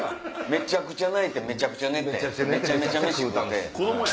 めちゃくちゃ泣いてめちゃくちゃ寝てめちゃめちゃメシ食うて。